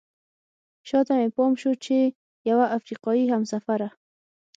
شاته مې پام شو چې یوه افریقایي همسفره.